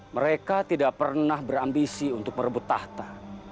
mereka tidak pernah berambisi untuk merebut tahta